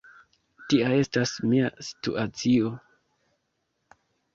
Tia estas mia situacio.